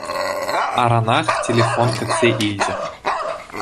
Аранах телефон кӗтсе илчӗ.